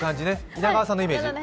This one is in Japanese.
稲川さんのイメージ。